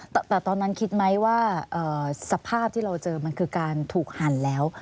แต่ตอนนั้นคิดไหมว่าสภาพที่เราเจอมันคือการถูกหั่นแล้ว